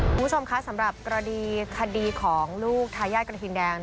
คุณผู้ชมคะสำหรับกรณีคดีของลูกทายาทกระทิงแดง